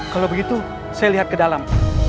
kalau begitu saya lihat ke dalam